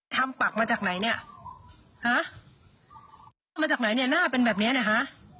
ปักมาจากไหนเนี่ยฮะหน้ามาจากไหนเนี่ยหน้าเป็นแบบเนี้ยนะฮะ